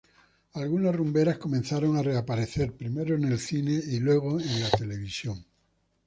Algunas rumberas comenzaron a reaparecer, primero en el cine, y luego en la televisión.